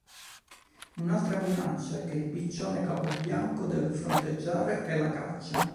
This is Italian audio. Un'altra minaccia che il piccione capobianco deve fronteggiare è la caccia.